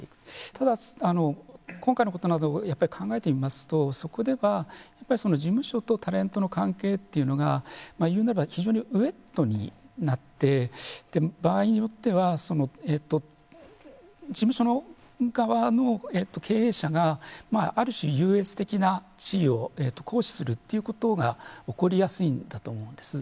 ただ、今回のことなどを考えてみますとそこでは事務所とタレントの関係というのが言うなれば非常にウェットになって場合によっては事務所側の経営者がある種、優越的な地位を行使するということが起こりやすいんだと思うんです。